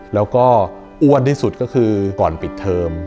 แล้วก็อ้วนที่สุดก็คือก่อนปิดเทอม